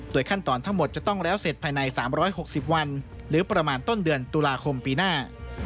ขั้นตอนทั้งหมดจะต้องแล้วเสร็จภายใน๓๖๐วันหรือประมาณต้นเดือนตุลาคมปีหน้า